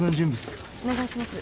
お願いします。